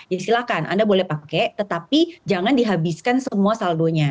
jadi silakan anda boleh pakai tetapi jangan dihabiskan semua saldonya